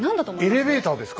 エレベーターですか？